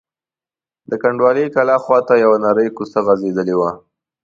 د کنډوالې کلا خواته یوه نرۍ کوڅه غځېدلې وه.